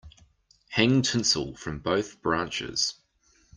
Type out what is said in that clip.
Hang tinsel from both branches.